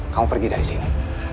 kamu pergi dari sini